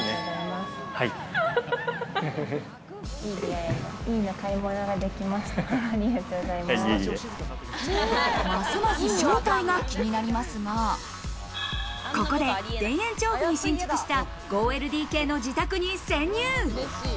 いい出会い、いい買い物がでますます正体が気になりますが、ここで田園調布に新築した５ＬＤＫの自宅に潜入。